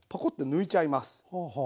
抜いちゃいます。